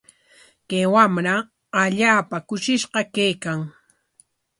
Kay wamra allaapa kushishqa kaykan.